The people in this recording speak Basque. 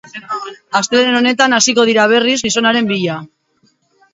Astelehen honetan hasiko dira berriz gizonaren bila.